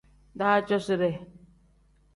Daadoside.